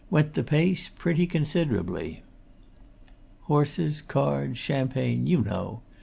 went the pace, pretty considerably. Horses, cards, champagne you know!